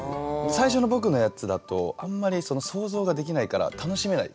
最初の僕のやつだとあんまり想像ができないから楽しめない。